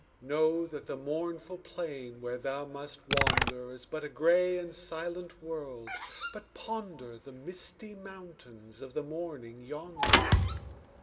Know that the mournful plain where thou must wander Is but a gray and silent world, but ponder The misty mountains of the morning yonder.